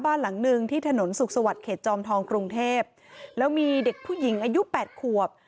หลังหนึ่งที่ถนนสุขสวัสดิเขตจอมทองกรุงเทพแล้วมีเด็กผู้หญิงอายุแปดขวบ